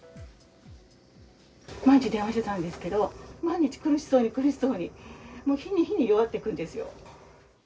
毎日電話してたんですけど、毎日苦しそうに苦しそうに、もう日に日に弱っていくんですよ。